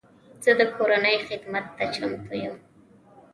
زه د کورنۍ خدمت ته چمتو یم.